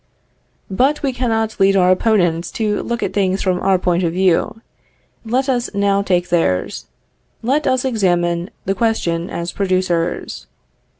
But we cannot lead our opponents to look at things from our point of view, let us now take theirs; let us examine the question as producers.